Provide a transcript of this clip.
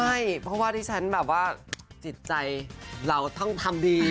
ใช่เพราะว่าที่ฉันแบบว่าจิตใจเราต้องทำดี